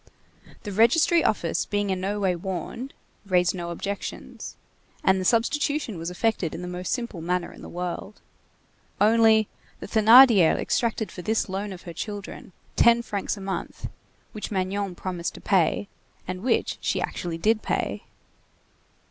The registry office being in no way warned, raised no objections, and the substitution was effected in the most simple manner in the world. Only, the Thénardier exacted for this loan of her children, ten francs a month, which Magnon promised to pay, and which she actually did pay.